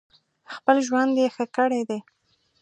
خپل ژوند یې ښه کړی دی.